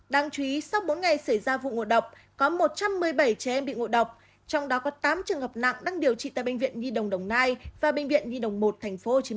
đáng chú ý sau bốn ngày xảy ra vụ ngộ độc có một trăm một mươi bảy trẻ em bị ngộ độc trong đó có tám trường hợp nặng đang điều trị tại bệnh viện nhi đồng đồng nai và bệnh viện nhi đồng một tp hcm